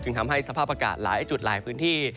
ทำให้สภาพอากาศหลายจุดหลายพื้นที่